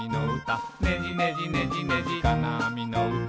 「ねじねじねじねじかなあみのうた」